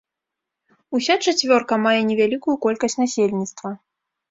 Уся чацвёрка мае невялікую колькасць насельніцтва.